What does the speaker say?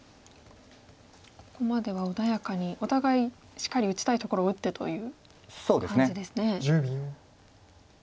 ここまでは穏やかにお互いしっかり打ちたいところを打ってという感じですね。